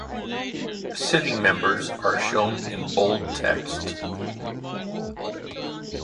Sitting members are shown in bold text.